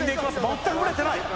全くブレてない